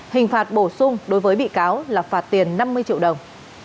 hình phạt bổ sung đối với bị cáo là phạt tiền năm mươi triệu đồng